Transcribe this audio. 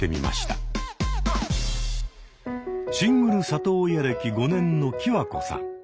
シングル里親歴５年のキワコさん。